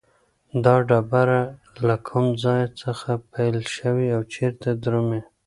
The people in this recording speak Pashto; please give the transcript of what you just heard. دا ډبره له کوم ځای څخه پیل شوې او چیرته درومي؟